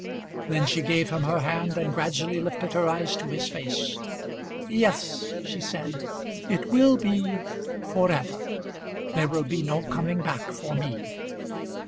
Then she gave him her hand, and gradually lifted her eyes to his face. "Yes," she said; "it will be for ever. There will be no coming back for me."